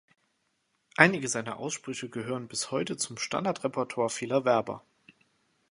Einige seiner Aussprüche gehören bis heute zum Standard-Repertoire vieler Werber.